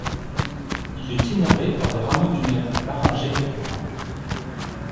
Il est innervé par des rameaux du nerf laryngé récurrent.